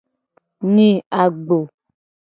Nyi agbo.